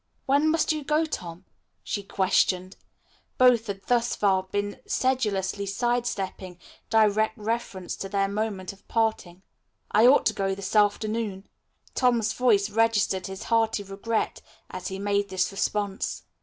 "When must you go, Tom?" she questioned at last. Both had thus far been sedulously side stepping direct reference to their moment of parting. "I ought to go this afternoon." Tom's voice registered his hearty regret as he made this response.